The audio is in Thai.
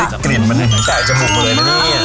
นี่กลิ่นมันเห็นไก่จมูกเลยนะนี่